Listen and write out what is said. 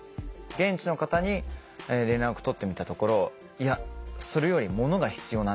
現地の方に連絡取ってみたところいやそれより物が必要なんだから。